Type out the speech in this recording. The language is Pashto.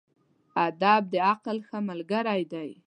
ادب د عقل ښه ملګری دی.